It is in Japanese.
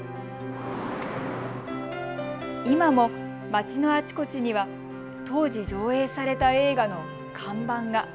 今も街のあちこちには当時上映された映画の看板が。